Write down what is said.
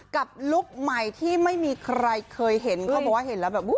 ลุคใหม่ที่ไม่มีใครเคยเห็นเขาบอกว่าเห็นแล้วแบบ